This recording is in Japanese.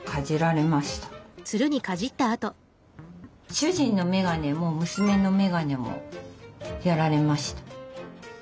主人の眼鏡も娘の眼鏡もやられました。